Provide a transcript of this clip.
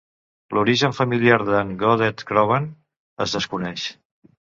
L"origen familiar de"n Godred Crovan es desconeix.